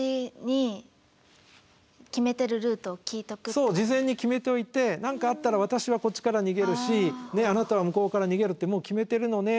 そう事前に決めておいて「何かあったら私はこっちから逃げるしあなたは向こうから逃げるってもう決めてるのね」